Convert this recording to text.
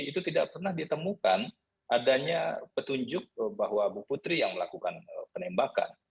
itu tidak pernah ditemukan adanya petunjuk bahwa bu putri yang melakukan penembakan